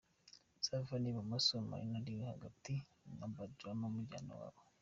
Safi uri i bumoso, Marina uri hagati na Bad Rama umujyana wabo.